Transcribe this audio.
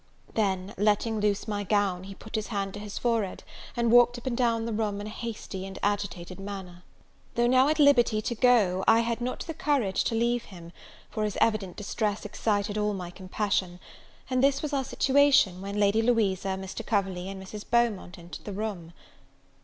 Then, letting loose my gown, he put his hand to his forehead, and walked up and down the room in a hasty and agitated manner. Though now at liberty to go, I had not the courage to leave him: for his evident distress excited all my compassion. And this was our situation, when Lady Louisa, Mr Coverley, and Mrs. Beaumont entered the room.